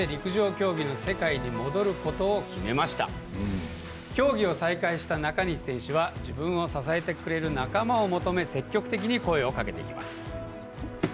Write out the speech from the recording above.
競技を再開した中西選手は自分を支えてくれる仲間を求め積極的に声をかけていきます。